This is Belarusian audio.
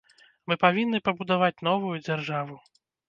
Мы павінны пабудаваць новую дзяржаву.